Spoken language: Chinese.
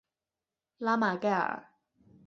拉马盖尔。